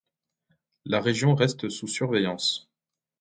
La région reste sous surveillance.